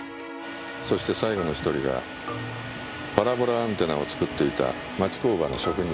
そして最後の１人がパラボラアンテナを作っていた町工場の職人。